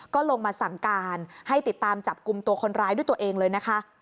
ก็ลงมาสั่งการให้ติดตามจับกลุ่มตัวคนร้ายด้วยตัวเองเลยนะคะ